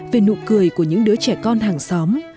về nụ cười của những đứa trẻ con hàng xóm